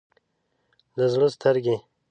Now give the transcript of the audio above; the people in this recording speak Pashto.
د زړه سترګې